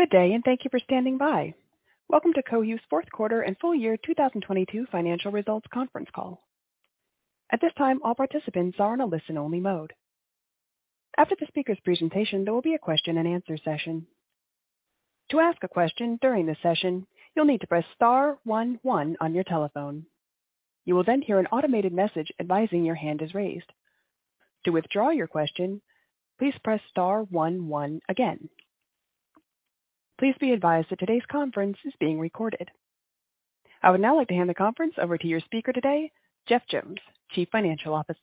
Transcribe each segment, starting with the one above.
Good day, and thank you for standing by. Welcome to Cohu's fourth quarter and full year 2022 financial results conference call. At this time, all participants are in a listen-only mode. After the speaker's presentation, there will be a question-and-answer session. To ask a question during this session, you'll need to press star one one on your telephone. You will hear an automated message advising your hand is raised. To withdraw your question, please press star one one again. Please be advised that today's conference is being recorded. I would now like to hand the conference over to your speaker today, Jeff Jones, Chief Financial Officer.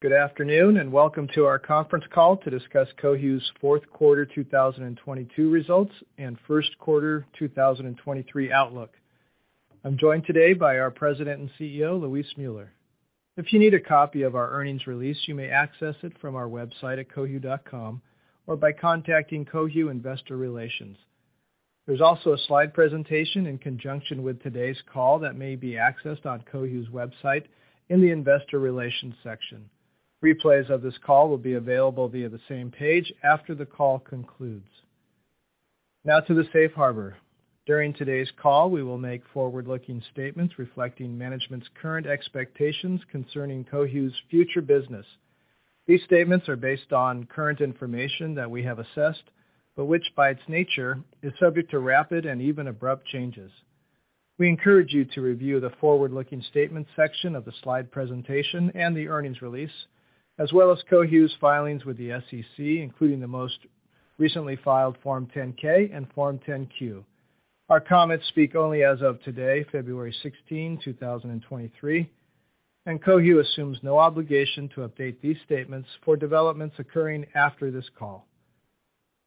Good afternoon, welcome to our conference call to discuss Cohu's fourth quarter 2022 results and first quarter 2023 outlook. I'm joined today by our President and CEO, Luis Müller. If you need a copy of our earnings release, you may access it from our website at cohu.com or by contacting Cohu Investor Relations. There's also a slide presentation in conjunction with today's call that may be accessed on Cohu's website in the Investor Relations section. Replays of this call will be available via the same page after the call concludes. Now to the safe harbor. During today's call, we will make forward-looking statements reflecting management's current expectations concerning Cohu's future business. These statements are based on current information that we have assessed, but which by its nature, is subject to rapid and even abrupt changes. We encourage you to review the forward-looking statement section of the slide presentation and the earnings release, as well as Cohu's filings with the SEC, including the most recently filed Form 10-K and Form 10-Q. Our comments speak only as of today, February 16, 2023, and Cohu assumes no obligation to update these statements for developments occurring after this call.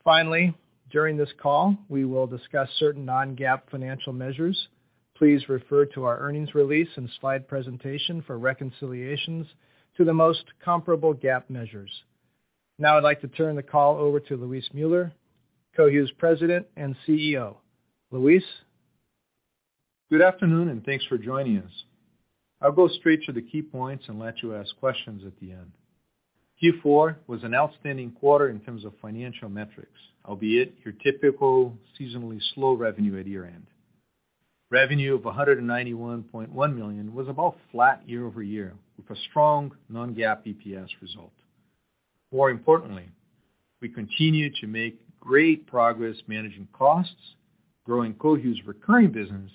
Finally, during this call, we will discuss certain non-GAAP financial measures. Please refer to our earnings release and slide presentation for reconciliations to the most comparable GAAP measures. Now I'd like to turn the call over to Luis Müller, Cohu's President and CEO. Luis. Good afternoon, and thanks for joining us. I'll go straight to the key points and let you ask questions at the end. Q4 was an outstanding quarter in terms of financial metrics, albeit your typical seasonally slow revenue at year-end. Revenue of $191.1 million was about flat year-over-year, with a strong non-GAAP EPS result. We continue to make great progress managing costs, growing Cohu's recurring business,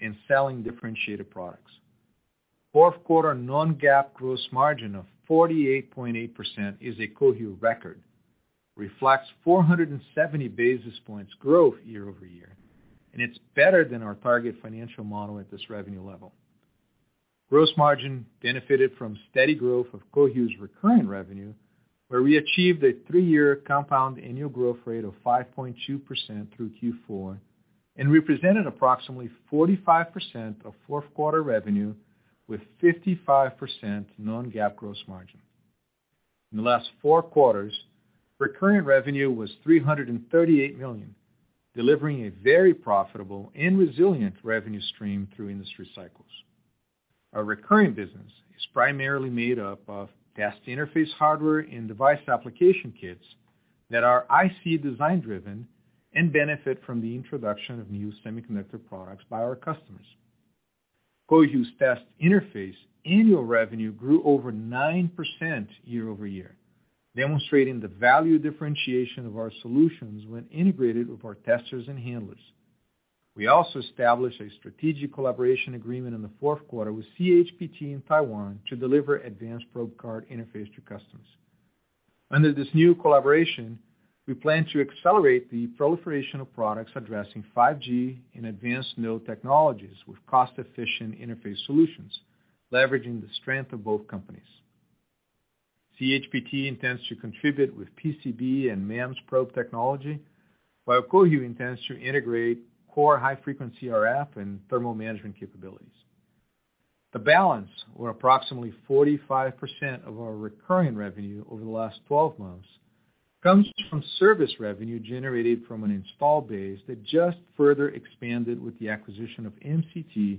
and selling differentiated products. Fourth quarter non-GAAP gross margin of 48.8% is a Cohu record, reflects 470 basis points growth year-over-year, and it's better than our target financial model at this revenue level. Gross margin benefited from steady growth of Cohu's recurring revenue, where we achieved a three-year compound annual growth rate of 5.2% through Q4 and represented approximately 45% of fourth quarter revenue with 55% non-GAAP gross margin. In the last four quarters, recurring revenue was $338 million, delivering a very profitable and resilient revenue stream through industry cycles. Our recurring business is primarily made up of test interface hardware and device application kits that are IC design-driven and benefit from the introduction of new semiconductor products by our customers. Cohu's test interface annual revenue grew over 9% year-over-year, demonstrating the value differentiation of our solutions when integrated with our testers and handlers. We also established a strategic collaboration agreement in the fourth quarter with CHPT in Taiwan to deliver advanced probe card interface to customers. Under this new collaboration, we plan to accelerate the proliferation of products addressing 5G and advanced node technologies with cost-efficient interface solutions, leveraging the strength of both companies. CHPT intends to contribute with PCB and MEMS probe technology, while Cohu intends to integrate core high-frequency RF and thermal management capabilities. The balance, or approximately 45% of our recurring revenue over the last 12 months, comes from service revenue generated from an install base that just further expanded with the acquisition of MCT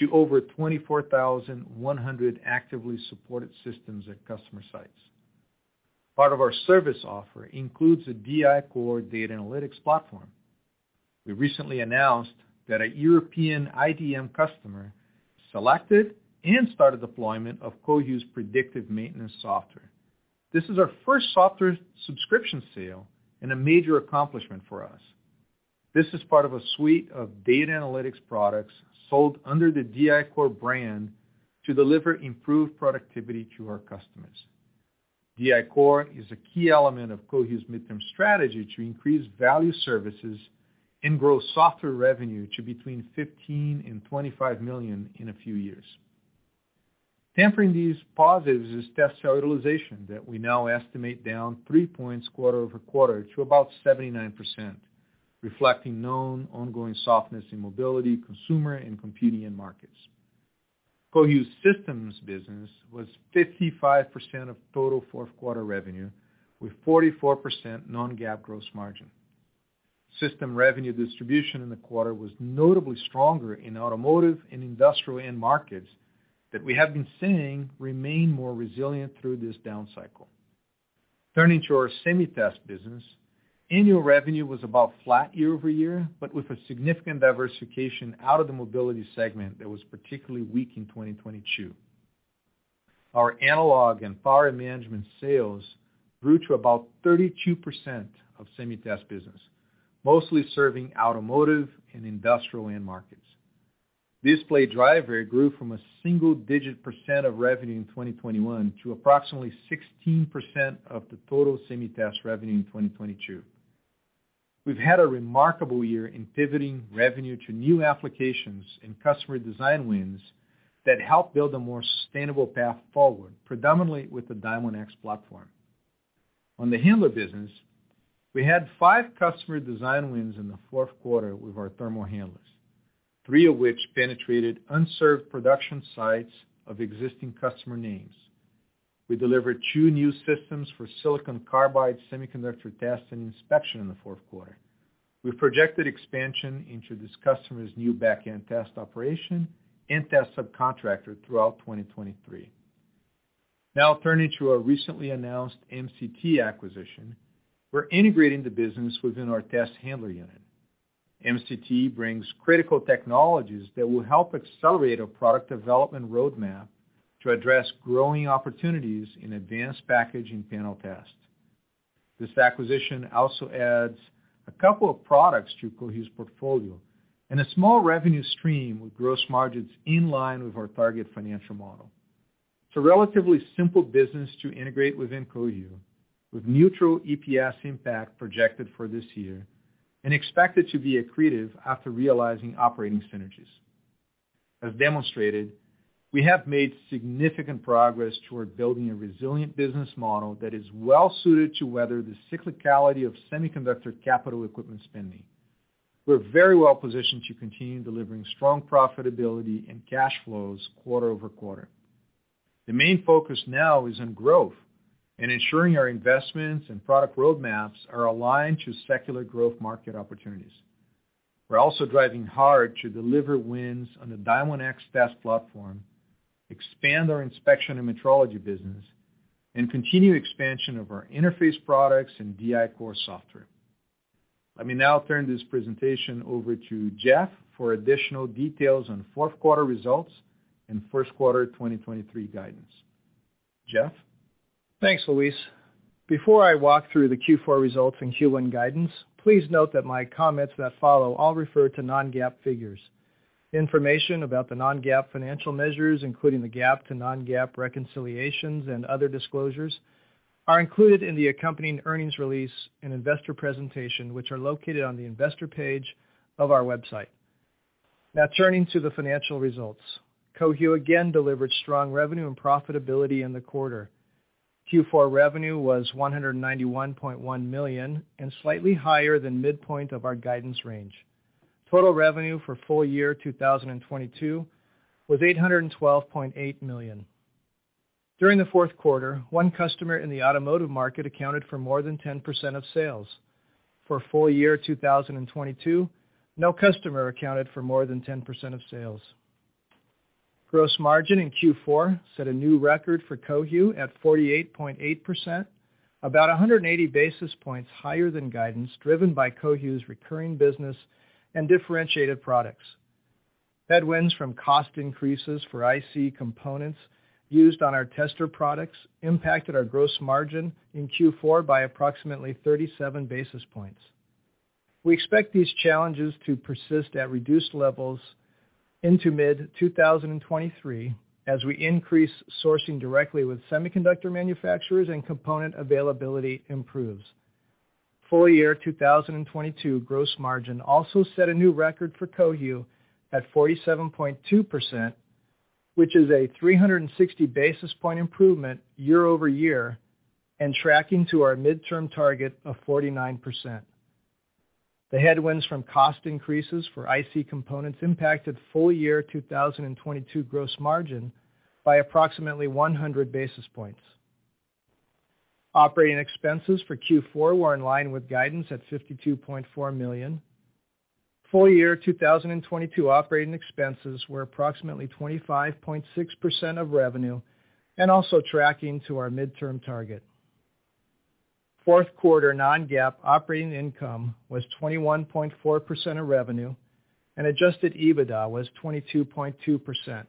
to over 24,100 actively supported systems at customer sites. Part of our service offer includes a DI-Core data analytics platform. We recently announced that a European IDM customer selected and started deployment of Cohu's predictive maintenance software. This is our first software subscription sale and a major accomplishment for us. This is part of a suite of data analytics products sold under the DI-Core brand to deliver improved productivity to our customers. DI-Core is a key element of Cohu's midterm strategy to increase value services and grow software revenue to between $15 million and $20 million in a few years. Tempering these positives is tester utilization that we now estimate down three points quarter-over-quarter to about 79%, reflecting known ongoing softness in mobility, consumer, and computing end markets. Cohu's systems business was 55% of total fourth quarter revenue, with 44% non-GAAP gross margin. System revenue distribution in the quarter was notably stronger in automotive and industrial end markets that we have been seeing remain more resilient through this down cycle. Turning to our SemiTest business, annual revenue was about flat year-over-year, but with a significant diversification out of the mobility segment that was particularly weak in 2022. Our analog and power management sales grew to about 32% of SemiTest business, mostly serving automotive and industrial end markets. Display driver grew from a single-digit % of revenue in 2021 to approximately 16% of the total SemiTest revenue in 2022. We've had a remarkable year in pivoting revenue to new applications and customer design wins that help build a more sustainable path forward, predominantly with the Diamondx platform. On the handler business, we had five customer design wins in the 4th quarter with our thermal handlers, three of which penetrated unserved production sites of existing customer names. We delivered two new systems for silicon carbide semiconductor test and inspection in the 4th quarter. / We've projected expansion into this customer's new backend test operation and test subcontractor throughout 2023. Turning to our recently announced MCT acquisition, we're integrating the business within our test handler unit. MCT brings critical technologies that will help accelerate our product development roadmap to address growing opportunities in advanced packaging panel tests. This acquisition also adds a couple of products to Cohu's portfolio and a small revenue stream with gross margins in line with our target financial model. It's a relatively simple business to integrate within Cohu with neutral EPS impact projected for this year and expected to be accretive after realizing operating synergies. As demonstrated, we have made significant progress toward building a resilient business model that is well suited to weather the cyclicality of semiconductor capital equipment spending. We're very well-positioned to continue delivering strong profitability and cash flows quarter-over-quarter. The main focus now is on growth and ensuring our investments and product roadmaps are aligned to secular growth market opportunities. We're also driving hard to deliver wins on the Diamondx test platform, expand our inspection and metrology business, and continue expansion of our interface products and DI-Core software. Let me now turn this presentation over to Jeff for additional details on fourth quarter results and first quarter 2023 guidance. Jeff? Thanks, Luis. Before I walk through the Q4 results and Q1 guidance, please note that my comments that follow all refer to non-GAAP figures. Information about the non-GAAP financial measures, including the GAAP to non-GAAP reconciliations and other disclosures, are included in the accompanying earnings release and investor presentation, which are located on the investor page of our website. Turning to the financial results. Cohu again delivered strong revenue and profitability in the quarter. Q4 revenue was $191.1 million and slightly higher than midpoint of our guidance range. Total revenue for full year 2022 was $812.8 million. During the fourth quarter, one customer in the automotive market accounted for more than 10% of sales. For full year 2022, no customer accounted for more than 10% of sales. Gross margin in Q4 set a new record for Cohu at 48.8%, about 180 basis points higher than guidance driven by Cohu's recurring business and differentiated products. Headwinds from cost increases for IC components used on our tester products impacted our gross margin in Q4 by approximately 37 basis points. We expect these challenges to persist at reduced levels into mid-2023 as we increase sourcing directly with semiconductor manufacturers and component availability improves. Full year 2022 gross margin also set a new record for Cohu at 47.2%, which is a 360 basis point improvement year-over-year and tracking to our midterm target of 49%. The headwinds from cost increases for IC components impacted full year 2022 gross margin by approximately 100 basis points. Operating expenses for Q4 were in line with guidance at $52.4 million. Full year 2022 operating expenses were approximately 25.6% of revenue, also tracking to our midterm target. Fourth quarter non-GAAP operating income was 21.4% of revenue. Adjusted EBITDA was 22.2%.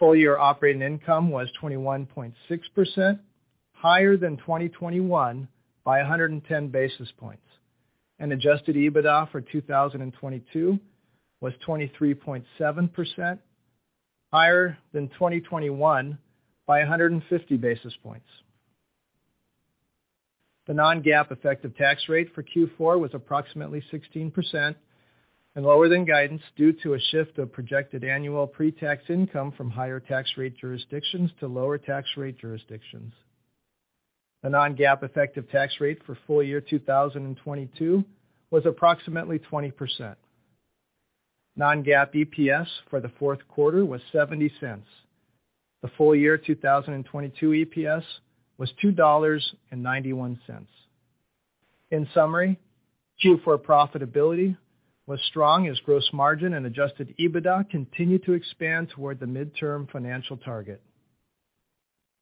Full year operating income was 21.6%, higher than 2021 by 110 basis points. Adjusted EBITDA for 2022 was 23.7%, higher than 2021 by 150 basis points. The non-GAAP effective tax rate for Q4 was approximately 16%, lower than guidance due to a shift of projected annual pre-tax income from higher tax rate jurisdictions to lower tax rate jurisdictions. The non-GAAP effective tax rate for full year 2022 was approximately 20%. Non-GAAP EPS for the fourth quarter was $0.70. The full year 2022 EPS was $2.91. In summary, Q4 profitability was strong as gross margin and adjusted EBITDA continued to expand toward the midterm financial target.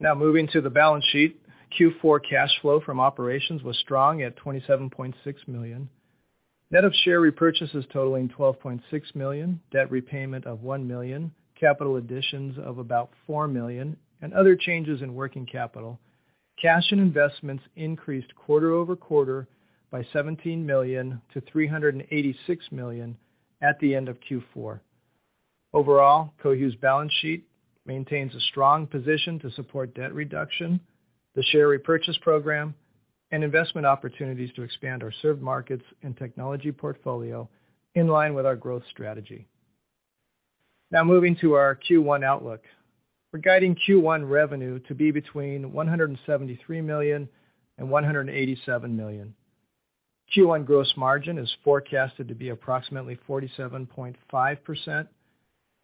Moving to the balance sheet. Q4 cash flow from operations was strong at $27.6 million. Net of share repurchases totaling $12.6 million, debt repayment of $1 million, capital additions of about $4 million, and other changes in working capital. Cash and investments increased quarter-over-quarter by $17 million to $386 million at the end of Q4. Overall, Cohu's balance sheet maintains a strong position to support debt reduction, the share repurchase program, and investment opportunities to expand our served markets and technology portfolio in line with our growth strategy. Now moving to our Q1 outlook. We're guiding Q1 revenue to be between $173 million and $187 million. Q1 gross margin is forecasted to be approximately 47.5%,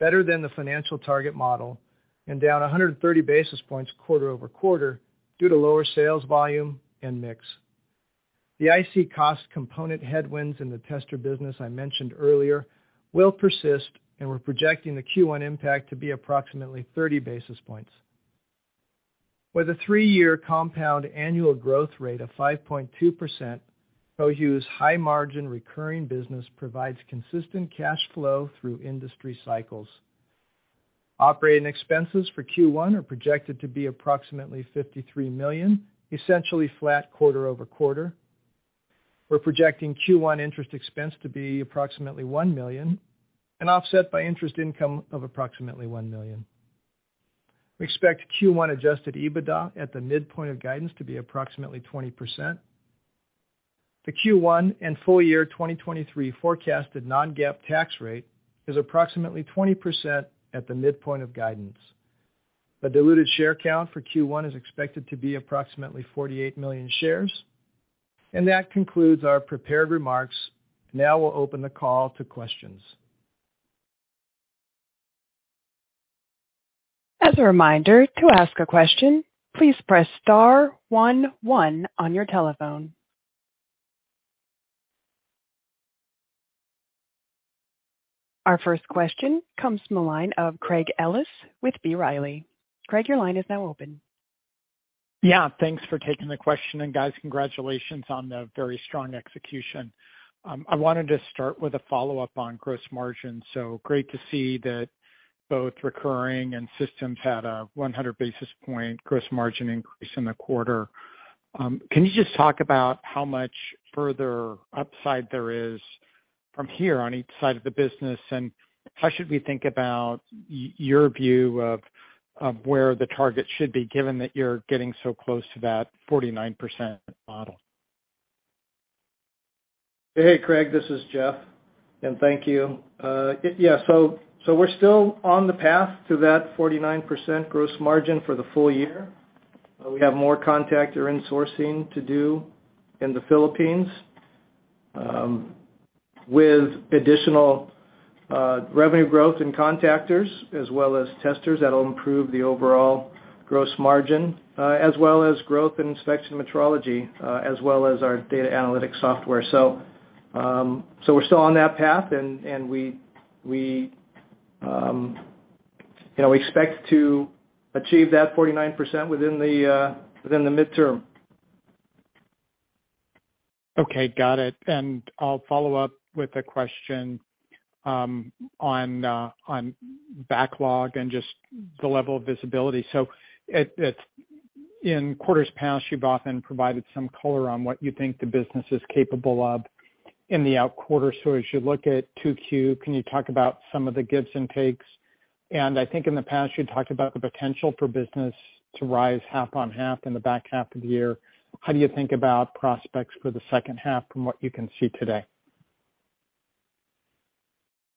better than the financial target model, and down 130 basis points quarter-over-quarter due to lower sales volume and mix. The IC cost component headwinds in the tester business I mentioned earlier will persist, and we're projecting the Q1 impact to be approximately 30 basis points. With a three-year compound annual growth rate of 5.2%, Cohu's high-margin recurring business provides consistent cash flow through industry cycles. Operating expenses for Q1 are projected to be approximately $53 million, essentially flat quarter-over-quarter. We're projecting Q1 interest expense to be approximately $1 million and offset by interest income of approximately $1 million. We expect Q1 adjusted EBITDA at the midpoint of guidance to be approximately 20%. The Q1 and full year 2023 forecasted non-GAAP tax rate is approximately 20% at the midpoint of guidance. The diluted share count for Q1 is expected to be approximately 48 million shares. That concludes our prepared remarks. Now we'll open the call to questions. As a reminder, to ask a question, please press star one one on your telephone. Our first question comes from the line of Craig Ellis with B. Riley. Craig, your line is now open. Yeah, thanks for taking the question. Guys, congratulations on the very strong execution. I wanted to start with a follow-up on gross margin. Great to see that both recurring and systems had a 100 basis point gross margin increase in the quarter. Can you just talk about how much further upside there is from here on each side of the business, and how should we think about your view of where the target should be, given that you're getting so close to that 49% model? Hey, Craig, this is Jeff. Thank you. Yes. We're still on the path to that 49% gross margin for the full year. We have more contactor insourcing to do in the Philippines, with additional, revenue growth in contactors as well as testers that'll improve the overall gross margin, as well as growth in inspection metrology, as well as our data analytics software. We're still on that path and we, you know, expect to achieve that 49% within the, within the midterm. Okay, got it. I'll follow up with a question on on backlog and just the level of visibility. At in quarters past, you've often provided some color on what you think the business is capable of in the outquarter. As you look at 2Q, can you talk about some of the gives and takes? I think in the past, you talked about the potential for business to rise half on half in the back half of the year. How do you think about prospects for the second half from what you can see today?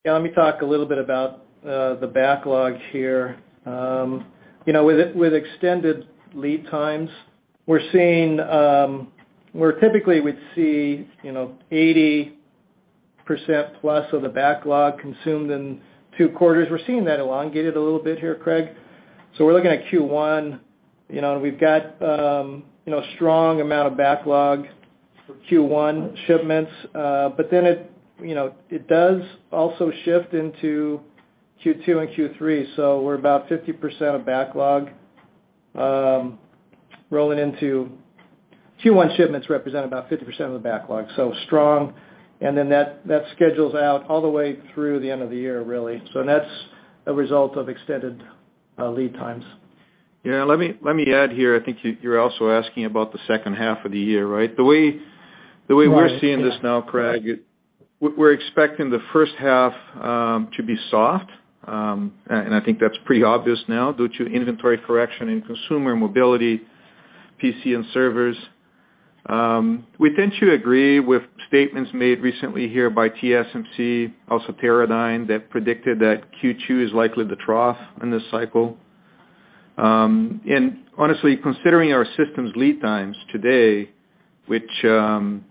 Yeah, let me talk a little bit about the backlog here. You know, with extended lead times, we're seeing where typically we'd see, you know, 80% plus of the backlog consumed in two quarters. We're seeing that elongated a little bit here, Craig. We're looking at Q1, you know, and we've got, you know, strong amount of backlog for Q1 shipments. But then it, you know, it does also shift into Q2 and Q3. We're about 50% of backlog. Q1 shipments represent about 50% of the backlog, so strong. That schedules out all the way through the end of the year, really. That's a result of extended lead times. Yeah. Let me add here. I think you're also asking about the second half of the year, right? The way we're seeing this now, Craig, we're expecting the first half to be soft. I think that's pretty obvious now due to inventory correction in consumer mobility, PC and servers. We tend to agree with statements made recently here by TSMC, also Cowen, that predicted that Q2 is likely to trough in this cycle. Honestly, considering our systems lead times today, which, you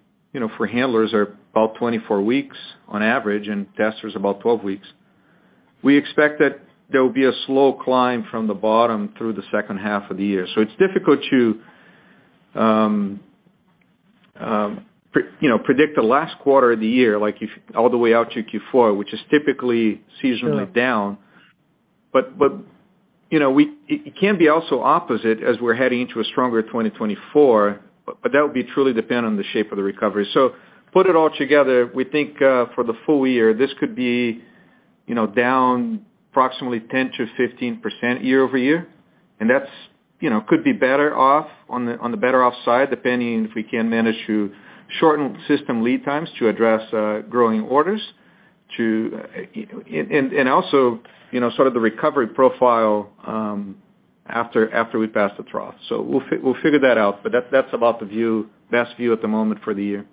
know, for handlers are about 24 weeks on average, and testers about 12 weeks, we expect that there will be a slow climb from the bottom through the second half of the year. It's difficult to, you know, predict the last quarter of the year, like if all the way out to Q4, which is typically seasonally down. You know, it can be also opposite as we're heading into a stronger 2024, but that would be truly depend on the shape of the recovery. Put it all together, we think, for the full year, this could be, you know, down approximately 10%-15% year-over-year. That's, you know, could be better off on the, on the better off side, depending if we can manage to shorten system lead times to address, growing orders to, you know, and also, you know, sort of the recovery profile, after we pass the trough. We'll figure that out, but that's about the view, best view at the moment for the year.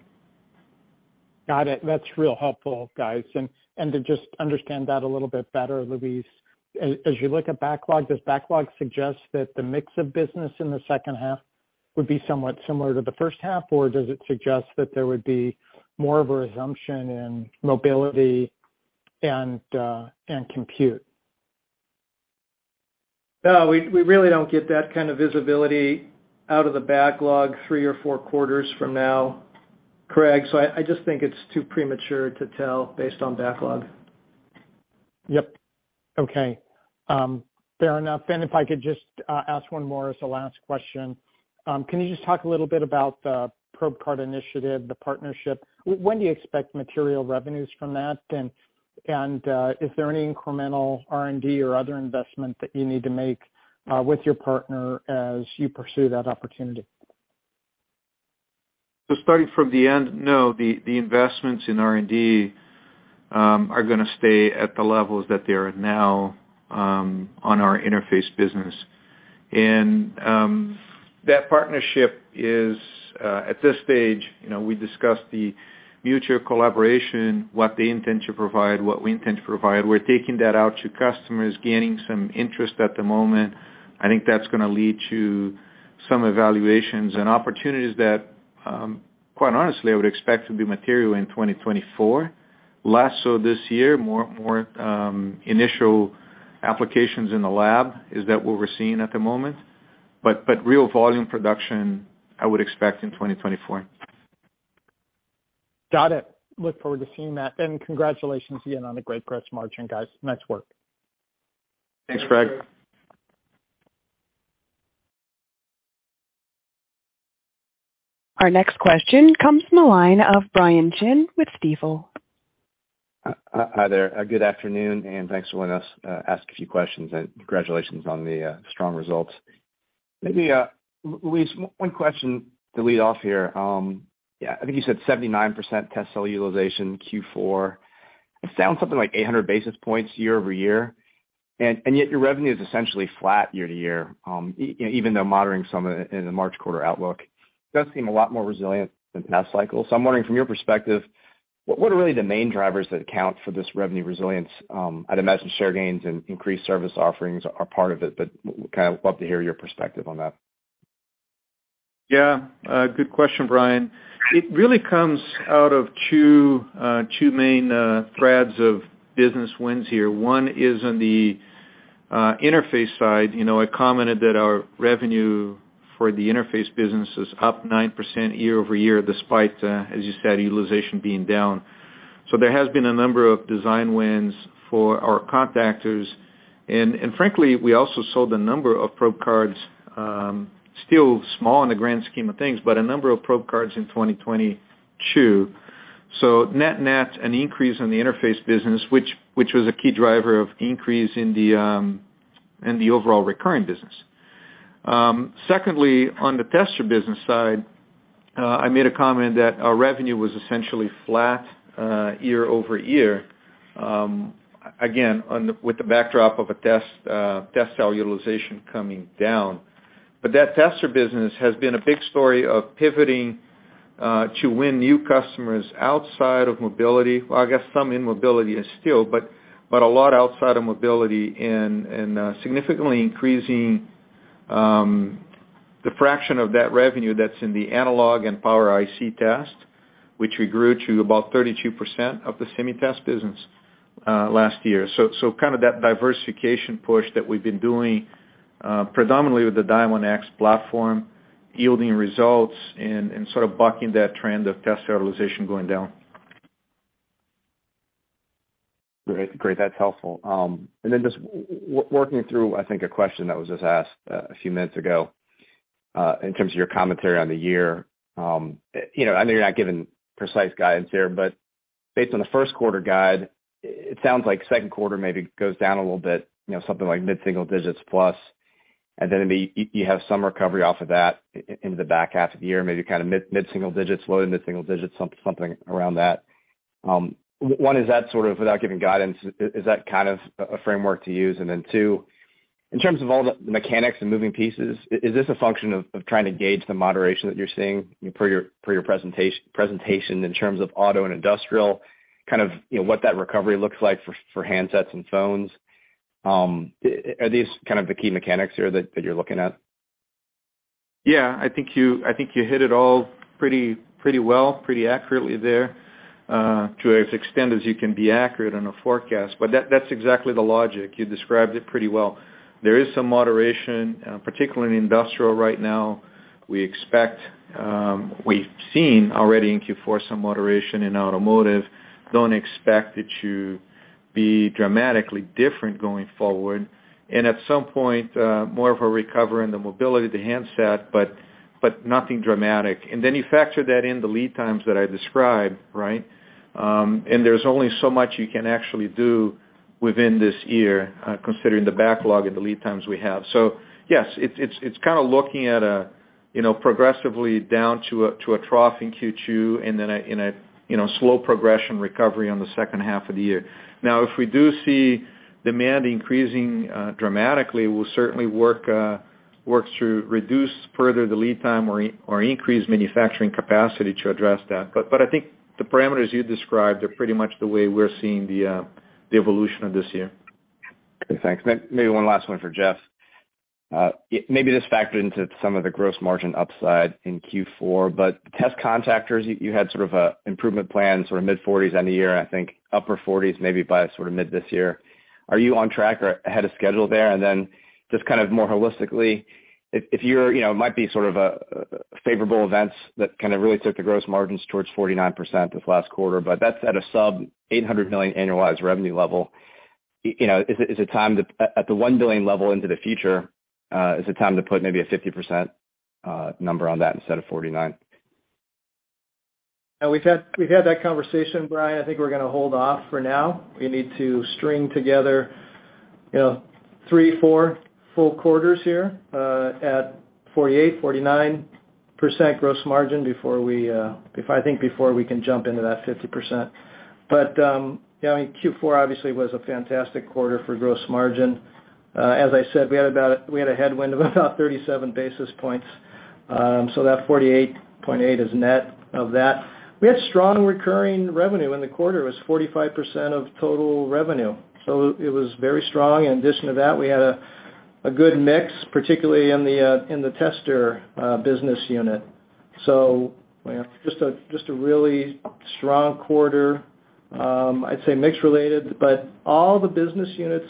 Got it. That's real helpful, guys. To just understand that a little bit better, Luis, as you look at backlog, does backlog suggest that the mix of business in the second half would be somewhat similar to the first half? Or does it suggest that there would be more of a resumption in mobility and compute? No, we really don't get that kind of visibility out of the backlog three or four quarters from now, Craig. I just think it's too premature to tell based on backlog. Yep. Okay. Fair enough. If I could just ask one more as the last question. Can you just talk a little bit about the probe card initiative, the partnership? When do you expect material revenues from that? Is there any incremental R&D or other investment that you need to make with your partner as you pursue that opportunity? Starting from the end, no, the investments in R&D are gonna stay at the levels that they are at now on our interface business. That partnership is at this stage, you know, we discussed the future collaboration, what they intend to provide, what we intend to provide. We're taking that out to customers, gaining some interest at the moment. I think that's gonna lead to some evaluations and opportunities that, quite honestly, I would expect to be material in 2024. Less so this year, more initial applications in the lab, is that what we're seeing at the moment? Real volume production, I would expect in 2024. Got it. Look forward to seeing that. Congratulations again on the great gross margin, guys. Nice work. Thanks, Craig. Our next question comes from the line of Brian Chin with Stifel. Hi there. Good afternoon, and thanks for letting us ask a few questions, and congratulations on the strong results. Maybe Luis, one question to lead off here. Yeah, I think you said 79% test cell utilization Q4. It sounds something like 800 basis points year-over-year. Yet your revenue is essentially flat year-to-year, you know, even though moderating some in the March quarter outlook. It does seem a lot more resilient than past cycles. I'm wondering from your perspective, what are really the main drivers that account for this revenue resilience? I'd imagine share gains and increased service offerings are part of it, kind of love to hear your perspective on that. Yeah. Good question, Brian. It really comes out of two main threads of business wins here. One is on the interface side. You know, I commented that our revenue for the interface business is up 9% year-over-year, despite, as you said, utilization being down. There has been a number of design wins for our contactors. And frankly, we also sold a number of probe cards, still small in the grand scheme of things, but a number of probe cards in 2022. Net-net, an increase in the interface business, which was a key driver of increase in the overall recurring business. Secondly, on the tester business side, I made a comment that our revenue was essentially flat, year-over-year, again, with the backdrop of a test cell utilization coming down. That tester business has been a big story of pivoting to win new customers outside of mobility. I guess some in mobility is still, but a lot outside of mobility and, significantly increasing the fraction of that revenue that's in the analog and power IC test, which we grew to about 32% of the semi-test business last year. Kind of that diversification push that we've been doing predominantly with the Diamondx platform, yielding results and, sort of bucking that trend of test utilization going down. Great. That's helpful. Just working through, I think, a question that was just asked a few minutes ago in terms of your commentary on the year. You know, I know you're not giving precise guidance here, but based on the first quarter guide, it sounds like second quarter maybe goes down a little bit, you know, something like mid-single digits plus. Maybe you have some recovery off of that into the back half of the year, maybe kind of mid-single digits, low to mid-single digits, something around that. One, is that sort of, without giving guidance, is that kind of a framework to use? Two, in terms of all the mechanics and moving pieces, is this a function of trying to gauge the moderation that you're seeing per your presentation in terms of auto and industrial, kind of, you know, what that recovery looks like for handsets and phones? Are these kind of the key mechanics here that you're looking at? Yeah, I think you hit it all pretty well, pretty accurately there, to as extent as you can be accurate on a forecast. That's exactly the logic. You described it pretty well. There is some moderation, particularly in industrial right now. We expect we've seen already in Q4 some moderation in automotive. Don't expect it to be dramatically different going forward. At some point, more of a recovery in the mobility, the handset, but nothing dramatic. You factor that in the lead times that I described, right? There's only so much you can actually do within this year, considering the backlog and the lead times we have. Yes, it's kinda looking at a, you know, progressively down to a trough in Q2, and then a, you know, slow progression recovery on the second half of the year. If we do see demand increasing dramatically, we'll certainly work through reduce further the lead time or increase manufacturing capacity to address that. I think the parameters you described are pretty much the way we're seeing the evolution of this year. Okay, thanks. maybe one last one for Jeff. it may be just factored into some of the gross margin upside in Q4, but test contactors, you had sort of a improvement plan, sort of mid-40s end of year, I think upper 40s maybe by sort of mid this year. Are you on track or ahead of schedule there? just kind of more holistically, if you're, you know, it might be sort of a favorable events that kind of really took the gross margins towards 49% this last quarter, but that's at a sub-$800 million annualized revenue level. You know, At the $1 billion level into the future, is it time to put maybe a 50% number on that instead of 49? Yeah. We've had that conversation, Brian. I think we're gonna hold off for now. We need to string together, you know, three, four full quarters here, at 48%, 49% gross margin before we, if I think before we can jump into that 50%. You know, I mean, Q4 obviously was a fantastic quarter for gross margin. As I said, we had a headwind of about 37 basis points. That 48.8% is net of that. We had strong recurring revenue in the quarter. It was 45% of total revenue, it was very strong. In addition to that, we had a good mix, particularly in the tester, business unit. You know, just a really strong quarter, I'd say mix related, but all the business units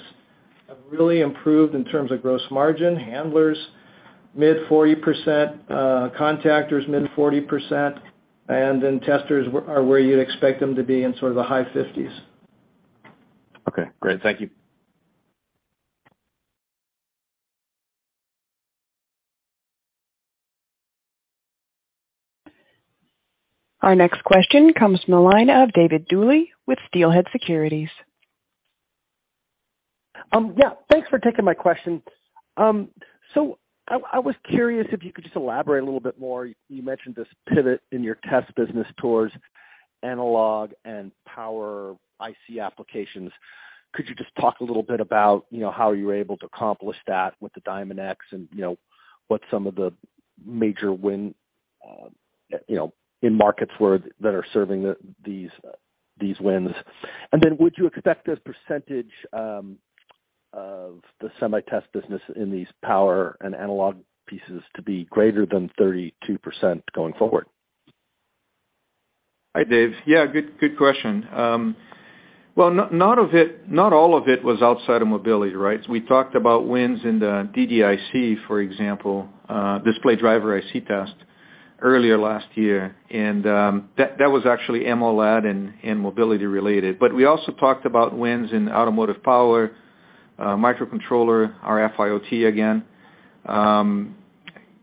have really improved in terms of gross margin. Handlers mid 40%, contactors mid 40%, and then testers are where you'd expect them to be in sort of the high 50s. Okay, great. Thank you. Our next question comes from the line of David Dooley with Steelhead Securities. Yeah, thanks for taking my question. I was curious if you could just elaborate a little bit more. You mentioned this pivot in your test business towards analog and power IC applications. Could you just talk a little bit about, you know, how you were able to accomplish that with the Diamondx and what some of the major win in markets were that are serving these wins? Would you expect the percentage of the semi test business in these power and analog pieces to be greater than 32% going forward? Hi, David. Yeah, good question. Well, not all of it was outside of mobility, right? We talked about wins in the DDIC, for example, display driver IC test earlier last year, and that was actually MLAD and mobility related. We also talked about wins in automotive power, microcontroller, RF IoT again.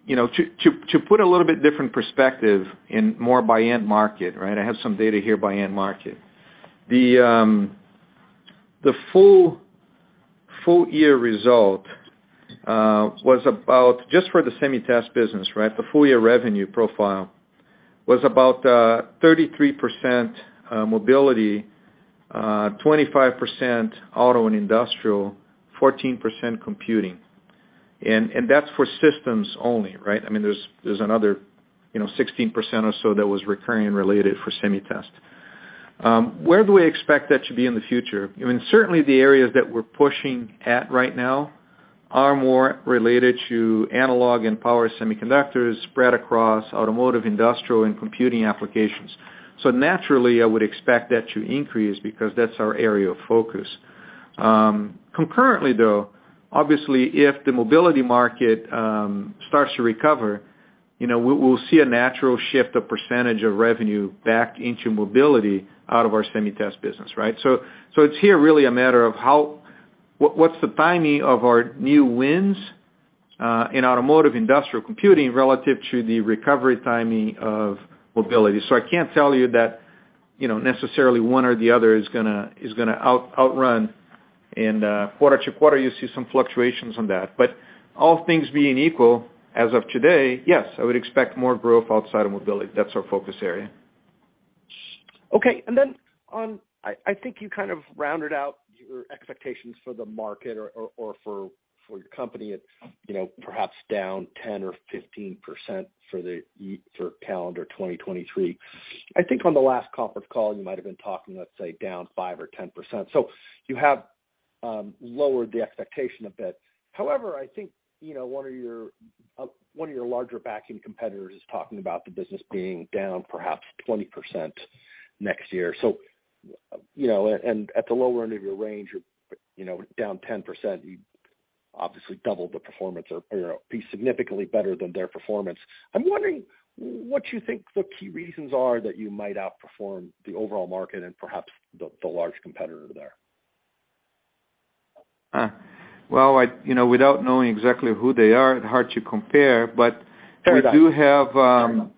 You know, to put a little bit different perspective in more by end market, right? I have some data here by end market. The full year result was about just for the semi test business, right? The full year revenue profile was about 33% mobility, 25% auto and industrial, 14% computing. That's for systems only, right? I mean, there's another, you know, 16% or so that was recurring related for semi test. Where do we expect that to be in the future? I mean, certainly the areas that we're pushing at right now are more related to analog and power semiconductors spread across automotive, industrial, and computing applications. Naturally, I would expect that to increase because that's our area of focus. Concurrently, though, obviously if the mobility market starts to recover, you know, we'll see a natural shift of percentage of revenue back into mobility out of our semi test business, right? It's here really a matter of what's the timing of our new wins in automotive, industrial computing relative to the recovery timing of mobility. I can't tell you that, you know, necessarily one or the other is going to outrun. Quarter to quarter, you see some fluctuations on that. All things being equal, as of today, yes, I would expect more growth outside of mobility. That's our focus area. I think you kind of rounded out your expectations for the market or for your company at, you know, perhaps down 10% or 15% for calendar 2023. I think on the last conference call, you might've been talking, let's say down 5% or 10%. You have lowered the expectation a bit. However, I think, you know, one of your, one of your larger backing competitors is talking about the business being down perhaps 20% next year. You know, and at the lower end of your range, you know, down 10%, you obviously double the performance or, you know, be significantly better than their performance. I'm wondering what you think the key reasons are that you might outperform the overall market and perhaps the large competitor there. Well, I, you know, without knowing exactly who they are, hard to compare. Fair enough. We do have.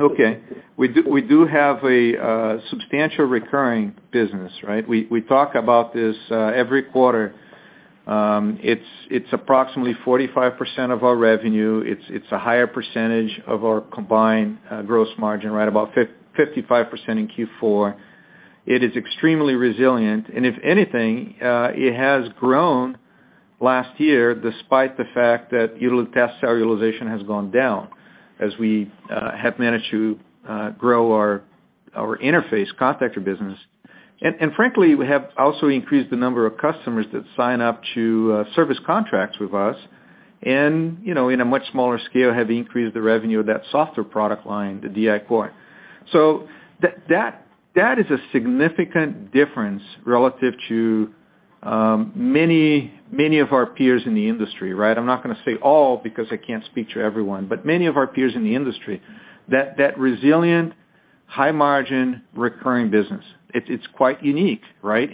Okay. We do have a substantial recurring business, right? We talk about this every quarter. It's approximately 45% of our revenue. It's a higher percentage of our combined gross margin, right about 55% in Q4. It is extremely resilient. If anything, it has grown last year despite the fact that test cell utilization has gone down as we have managed to grow our interface contactor business. Frankly, we have also increased the number of customers that sign up to service contracts with us. You know, in a much smaller scale, have increased the revenue of that softer product line, the DI-Core. That is a significant difference relative to many of our peers in the industry, right? I'm not gonna say all because I can't speak to everyone, but many of our peers in the industry, that resilient high margin recurring business. It's quite unique, right?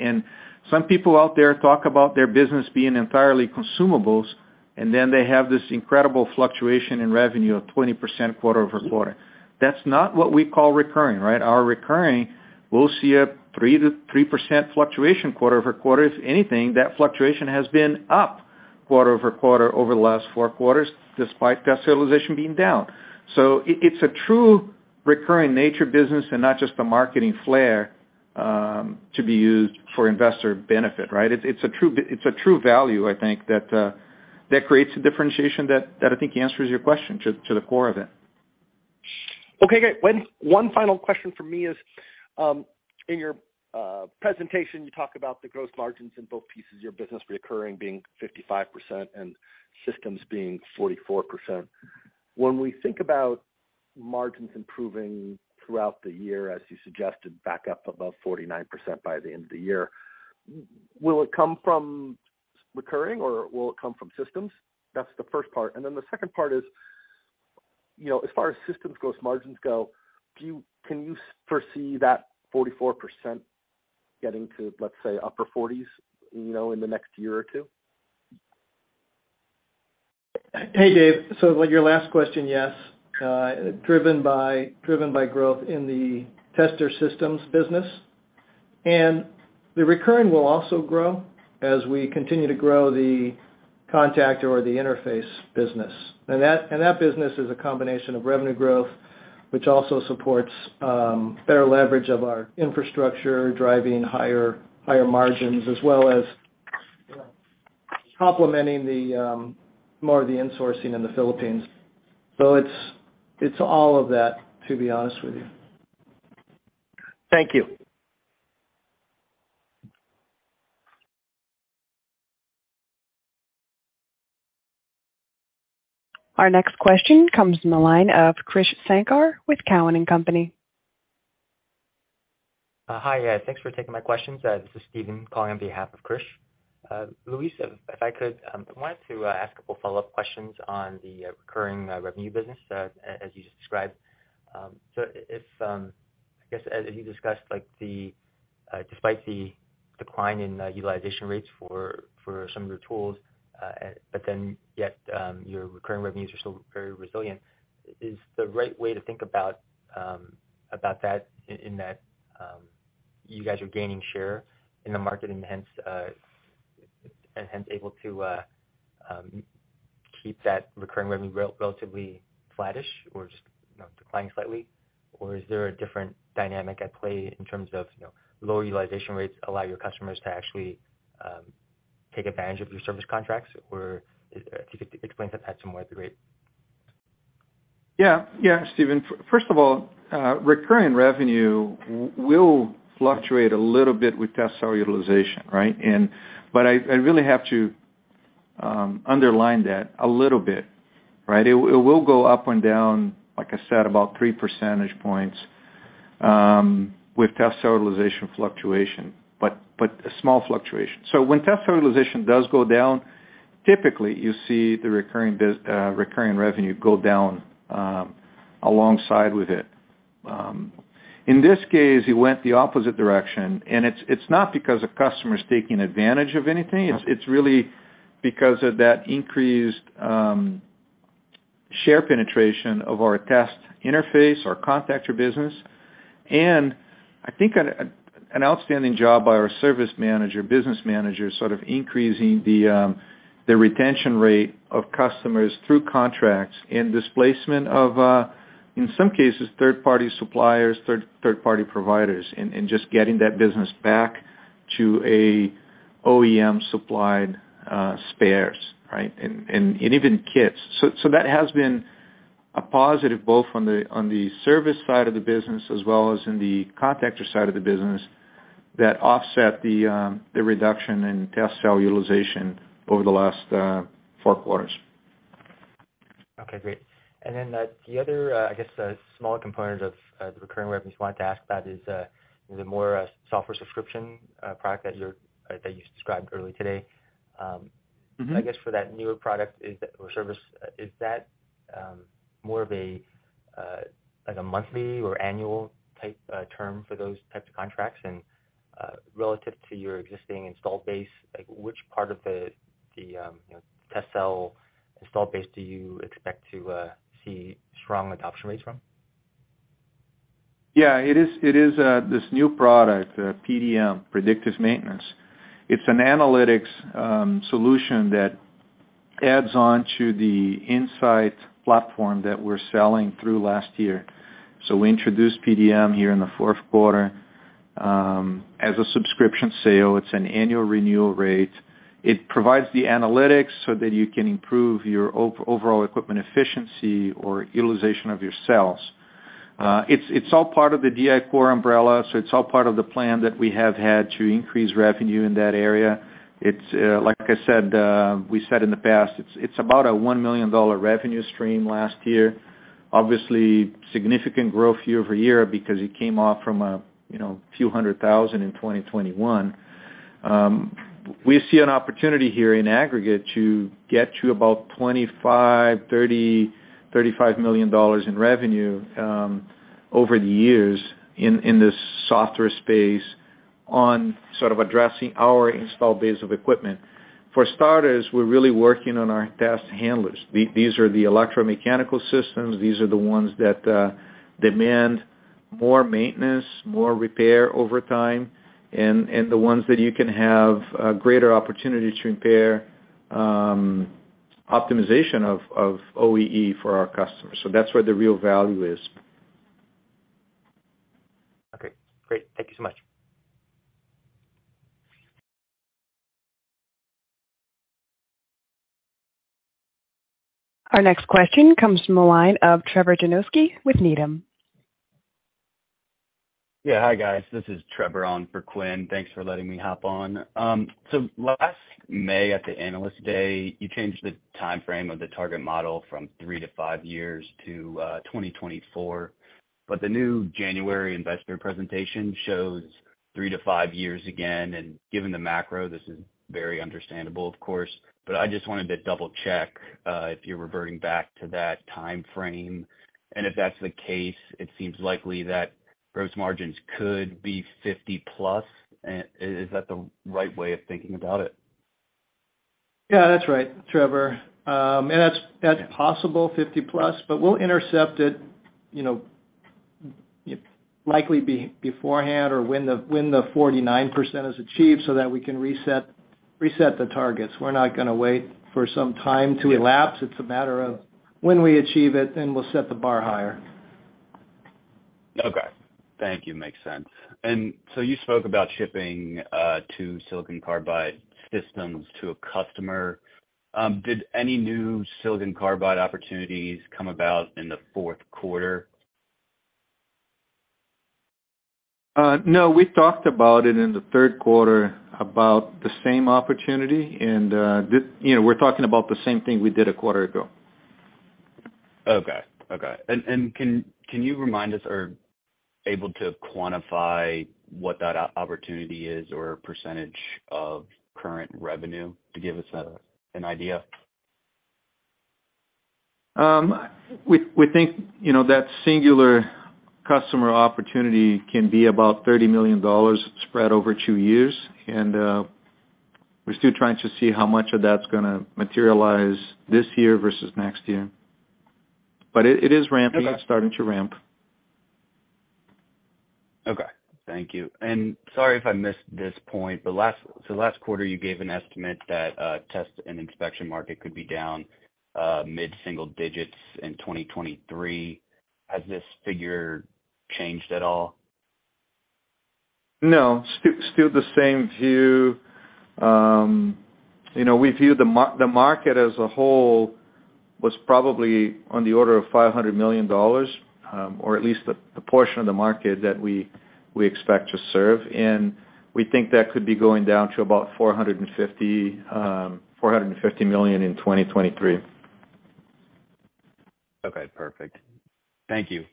Some people out there talk about their business being entirely consumables, and then they have this incredible fluctuation in revenue of 20% quarter-over-quarter. That's not what we call recurring, right? Our recurring, we'll see a 3% to 3% fluctuation quarter-over-quarter. If anything, that fluctuation has been up quarter-over-quarter over the last four quarters, despite test utilization being down. It's a true recurring nature business and not just a marketing flair to be used for investor benefit, right? It's a true value, I think, that creates a differentiation that I think answers your question to the core of it. / Okay, great. One final question for me is, in your presentation, you talk about the gross margins in both pieces of your business, recurring being 55% and systems being 44%. When we think about margins improving throughout the year, as you suggested, back up above 49% by the end of the year, will it come from recurring or will it come from systems? That's the first part. The second part is, you know, as far as systems gross margins go, can you foresee that 44% getting to, let's say, upper 40s, you know, in the next year or two? Hey, Dave. So like your last question, yes, driven by growth in the tester systems business. The recurring will also grow as we continue to grow the contact or the interface business. That business is a combination of revenue growth, which also supports better leverage of our infrastructure, driving higher margins, as well as, you know, complementing the more of the insourcing in the Philippines. It's all of that, to be honest with you. Thank you. Our next question comes from the line of Krish Sankar with Cowen and Company. Hi. Thanks for taking my questions. This is Steven calling on behalf of Krish. Luis, if I could, I wanted to ask a couple follow-up questions on the recurring revenue business as you described. If I guess as you discussed, like the, despite the decline in utilization rates for some of your tools, yet your recurring revenues are still very resilient. Is the right way to think about that in that you guys are gaining share in the market and hence able to keep that recurring revenue relatively flattish or just, you know, declining slightly? Is there a different dynamic at play in terms of, you know, low utilization rates allow your customers to actually take advantage of your service contracts? If you could explain that some more it'd be great. Yeah, Steven. First of all, recurring revenue will fluctuate a little bit with test cell utilization, right? But I really have to underline that a little bit, right? It will go up and down, like I said, about three percentage points with test cell utilization fluctuation, but a small fluctuation. When test cell utilization does go down, typically you see the recurring revenue go down alongside with it. In this case, it went the opposite direction. It's not because a customer's taking advantage of anything. It's really because of that increased share penetration of our test interface, our contactor business. I think an outstanding job by our service manager, business manager, sort of increasing the retention rate of customers through contracts and displacement of in some cases, third-party suppliers, third-party providers, and just getting that business back to a OEM supplied spares, right? And even kits. That has been a positive both on the service side of the business as well as in the contactor side of the business that offset the reduction in test cell utilization over the last four quarters. Okay, great. The other, I guess, smaller component of the recurring revenues I wanted to ask about is the more software subscription product that you described earlier today. Mm-hmm. I guess for that newer product or service, is that more of a like a monthly or annual type term for those types of contracts? Relative to your existing installed base, like which part of the you know test cell installed base do you expect to see strong adoption rates from? Yeah. It is this new product, PdM, predictive maintenance, it's an analytics solution that adds on to the InSight platform that we're selling through last year. We introduced PdM here in the fourth quarter as a subscription sale. It's an annual renewal rate. It provides the analytics so that you can improve your overall equipment efficiency or utilization of your cells. It's all part of the DI-Core umbrella, it's all part of the plan that we have had to increase revenue in that area. It's, like I said, we said in the past, it's about a $1 million revenue stream last year. Obviously, significant growth year-over-year because it came off from a, you know, $few hundred thousand in 2021. We see an opportunity here in aggregate to get to about $25 million-$35 million in revenue over the years in this software space on sort of addressing our install base of equipment. For starters, we're really working on our test handlers. These are the electromechanical systems. These are the ones that demand more maintenance, more repair over time, and the ones that you can have greater opportunity to compare optimization of OEE for our customers. That's where the real value is. Okay, great. Thank you so much. Our next question comes from the line of Trevor Janoskie with Needham. Hi, guys. This is Trevor on for Quinn. Thanks for letting me hop on. Last May at the Analyst Day, you changed the timeframe of the target model from three to five years to 2024. The new January investor presentation shows three to five years again, given the macro, this is very understandable of course, I just wanted to double-check if you're reverting back to that timeframe. If that's the case, it seems likely that gross margins could be 50+. Is that the right way of thinking about it? Yeah, that's right, Trevor. That's possible, 50 plus, we'll intercept it, you know, likely be beforehand or when the 49% is achieved that we can reset the targets. We're not gonna wait for some time to elapse. It's a matter of when we achieve it, we'll set the bar higher. Okay. Thank you. Makes sense. You spoke about shipping two silicon carbide systems to a customer. Did any new silicon carbide opportunities come about in the fourth quarter? No. We talked about it in the third quarter about the same opportunity and, you know, we're talking about the same thing we did a quarter ago. Okay. Okay. Can you remind us or able to quantify what that opportunity is or percentage of current revenue to give us an idea? We think, you know, that singular customer opportunity can be about $30 million spread over two years. We're still trying to see how much of that's gonna materialize this year versus next year. It, it is ramping. Okay. It's starting to ramp. Okay. Thank you. Sorry if I missed this point, last quarter, you gave an estimate that test and inspection market could be down mid-single digits in 2023. Has this figure changed at all? No. Still the same view. you know, we view the market as a whole was probably on the order of $500 million, or at least the portion of the market that we expect to serve. We think that could be going down to about $450 million in 2023. Okay. Perfect. Thank you.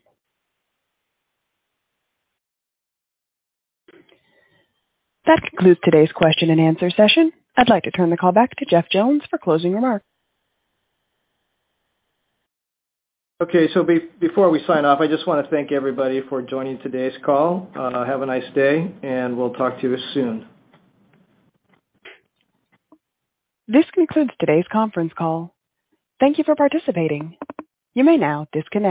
That concludes today's question and answer session. I'd like to turn the call back to Jeff Jones for closing remarks. Okay. Before we sign off, I just wanna thank everybody for joining today's call. Have a nice day, and we'll talk to you soon. This concludes today's conference call. Thank you for participating. You may now disconnect.